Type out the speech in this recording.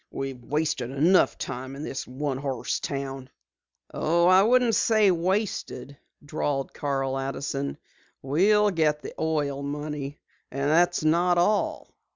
"We've wasted enough time in this one horse town." "Oh, I shouldn't say wasted," drawled Carl Addison. "We'll get the oil money. And that's not all.